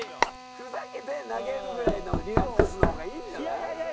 ふざけて投げるぐらいのリラックスの方がいいんじゃない？